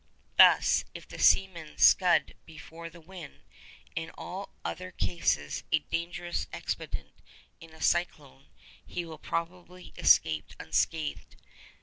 Thus, if the seaman scud before the wind—in all other cases a dangerous expedient in a cyclone—he will probably escape unscathed.